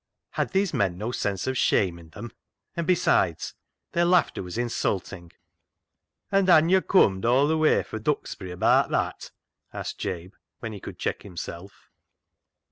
Had these men no sense of shame in them ? And, besides, their laughter was insulting. " An' han yo' cummed aw th' way fro' Dux bury abaat that ?" asked Jabe, when he could check himself.